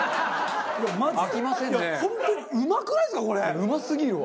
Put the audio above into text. うますぎるわ。